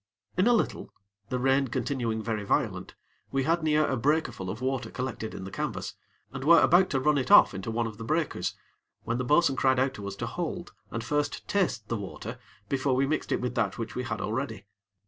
In a little, the rain continuing very violent, we had near a breaker full of water collected in the canvas, and were about to run it off into one of the breakers, when the bo'sun cried out to us to hold, and first taste the water before we mixed it with that which we had already.